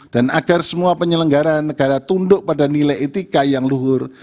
dan agar semua penyelenggaran negara tunduk pada nilai etika yang luhur